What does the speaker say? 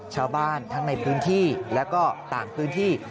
ชาวบ้านทั้งในพื้นที่แล้วก็ต่างพื้นที่